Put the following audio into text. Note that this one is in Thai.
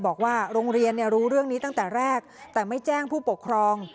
บอกว่าโรงเรียนรู้เรื่องนี้ตั้งแต่แรกแต่ไม่แจ้งผู้ปกครอง